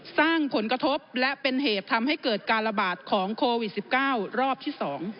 สร้างผลกระทบและเป็นเหตุทำให้เกิดการระบาดของโควิด๑๙รอบที่๒